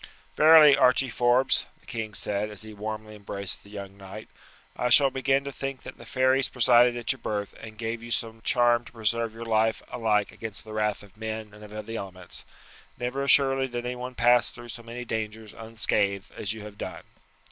"Verily, Archie Forbes," the king said as he warmly embraced the young knight, "I shall begin to think that the fairies presided at your birth and gave you some charm to preserve your life alike against the wrath of men and of the elements. Never assuredly did anyone pass through so many dangers unscathed as you have done."